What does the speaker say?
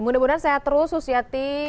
mudah mudahan sehat terus susiati